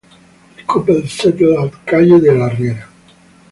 The couple settled at Calle de la Riera.